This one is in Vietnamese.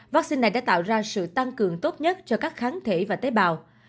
vaccine này đã tạo ra sự tăng cường tốt nhất cho các kháng thể và tế bào